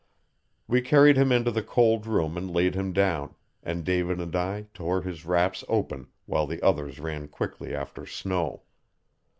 We carried him into the cold room and laid him down, and David and I tore his wraps open while the others ran quickly after snow.